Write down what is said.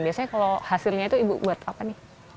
biasanya kalau hasilnya itu ibu buat apa nih